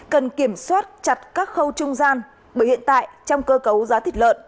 cần kiểm soát chặt các khâu trung gian bởi hiện tại trong cơ cấu giá thịt lợn